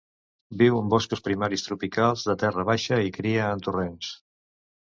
Viu en boscos primaris tropicals de terra baixa i cria en torrents.